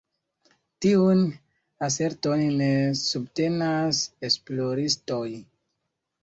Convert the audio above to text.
Tiun aserton ne subtenas esploristoj.